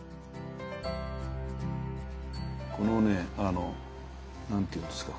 このねあの何て言うんですか。